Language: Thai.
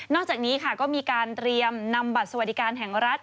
จากนี้ค่ะก็มีการเตรียมนำบัตรสวัสดิการแห่งรัฐ